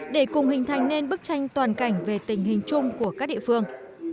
để cùng hình thành nên bức tranh toàn cảnh về tình hình chung của các địa phương